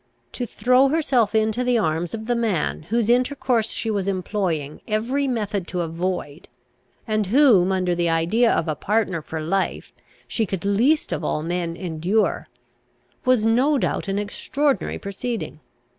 To throw herself into the arms of the man whose intercourse she was employing every method to avoid, and whom, under the idea of a partner for life, she could least of all men endure, was, no doubt, an extraordinary proceeding.